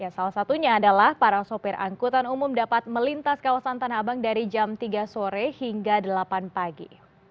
salah satunya adalah para sopir angkutan umum dapat melintas kawasan tanah abang dari jam tiga sore hingga delapan pagi